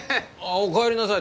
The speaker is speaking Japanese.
お帰りなさい。